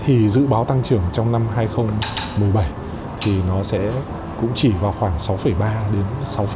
thì dự báo tăng trưởng trong năm hai nghìn một mươi bảy thì nó sẽ cũng chỉ vào khoảng sáu ba đến sáu